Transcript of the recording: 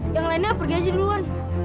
yang lainnya pergi aja duluan